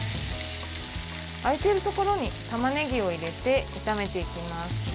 空いているところにたまねぎを入れて炒めていきます。